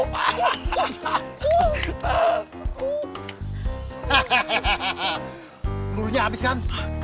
pelurnya abis kan